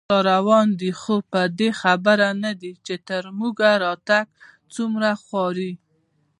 راروان دی خو په دې خبر نه دی، چې تر موږه راتګ څومره خواري